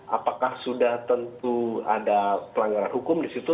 apakah sudah tentu ada pelanggaran hukum di situ